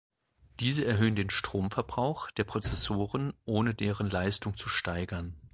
Diese erhöhen den Stromverbrauch der Prozessoren, ohne deren Leistung zu steigern.